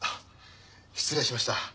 失礼しました。